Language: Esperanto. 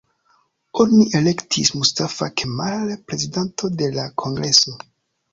Oni elektis Mustafa Kemal prezidanto de la kongreso.